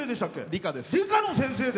理科です。